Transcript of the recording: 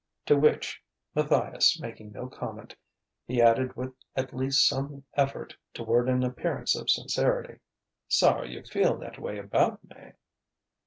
To which, Matthias making no comment, he added with at least some effort toward an appearance of sincerity: "Sorry you feel that way about me."